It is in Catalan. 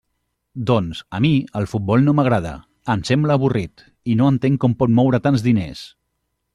Doncs, a mi, el futbol no m'agrada; em sembla avorrit, i no entenc com pot moure tants de diners.